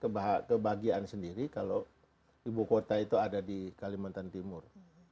kebahagiaan sendiri kalau ibu kota itu ada di kalimantan timur